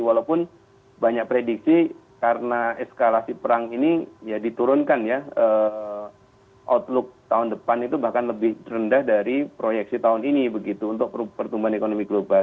walaupun banyak prediksi karena eskalasi perang ini ya diturunkan ya outlook tahun depan itu bahkan lebih rendah dari proyeksi tahun ini begitu untuk pertumbuhan ekonomi global